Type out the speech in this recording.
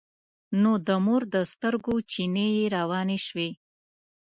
نو د مور د سترګو چينې يې روانې شوې.